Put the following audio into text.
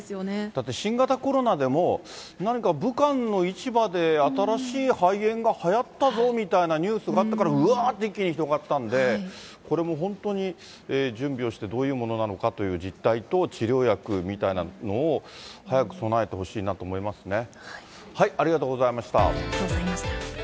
だって新型コロナでも、何か武漢の市場で新しい肺炎がはやったぞみたいなニュースがあってから、うわーって一気に広がったんで、これも本当に、準備をして、どういうものなのかっていう実態と、治療薬みたいなのを早く備えてほしいなと思いますね。